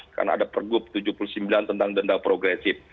karena ada pergub tujuh puluh sembilan tentang denda progresif